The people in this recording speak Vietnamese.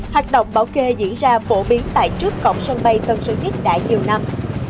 hoạt động bảo kê diễn ra phổ biến tại trước cổng sân bay tân sơn nhất đã nhiều năm